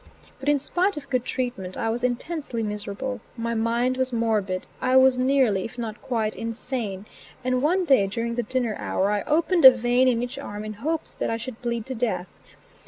But in spite of good treatment I was intensely miserable; my mind was morbid; I was nearly, if not quite, insane; and one day during the dinner hour, I opened a vein in each arm in hopes that I should bleed to death.